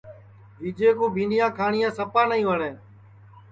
وجئے کُو بھینٚڈؔیاں کھاٹؔیاں سپا نائی وٹؔتیاں ہے